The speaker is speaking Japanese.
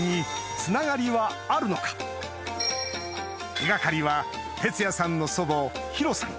手掛かりは鉄矢さんの祖母ヒロさん